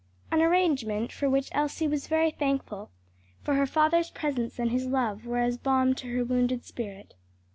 An arrangement for which Elsie was very thankful, for her father's presence and his love were as balm to her wounded spirit.